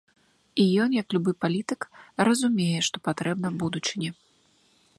І ён, як любы палітык, разумее, што патрэбна будучыня.